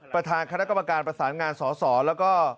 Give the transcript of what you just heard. ประธานคณะกรรมการประสานงานสสแล้วก็